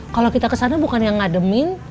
kalau kita kesana bukan yang ngademin